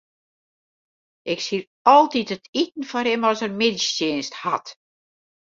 Ik sied altyd it iten foar him as er middeistsjinst hat.